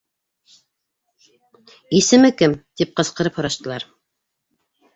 — Исеме кем? — тип ҡысҡырып һораштылар.